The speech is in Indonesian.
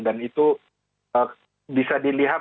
dan itu bisa dilihat